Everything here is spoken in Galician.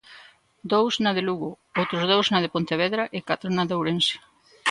Dous na de Lugo, outros dous na de Pontevedra e catro na de Ourense.